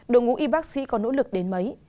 đội ngũ y bác sĩ có nỗ lực đến mấy